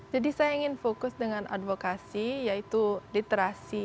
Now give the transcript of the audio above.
jadi saya ingin fokus dengan advokasi yaitu literasi